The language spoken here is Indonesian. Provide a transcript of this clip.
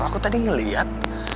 aku tadi ngeliat